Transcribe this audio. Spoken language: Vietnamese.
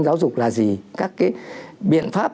giáo dục là gì các cái biện pháp